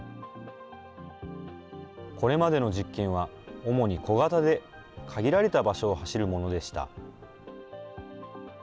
これまでの実験は、主に小型で限られた場所を走るものでした。